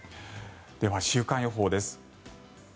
では週間予報です。